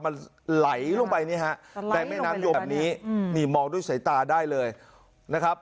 มันไหลลงไปนี่ฮะในแม่น้ำยมแบบนี้นี่มองด้วยสายตาได้เลยนะครับ